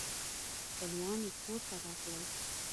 خپلوان یې کور ته راغلل.